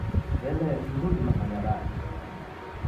W'ele, mndu udimaa kumanya w'ada?